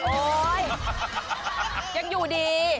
โอ๊ยยังอยู่ดี